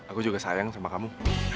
aku juga sayang sama kamu